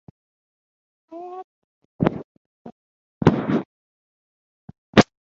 He reoccupied Hami after Ming left.